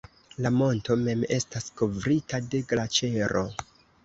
La monto mem estas kovrita de glaĉero.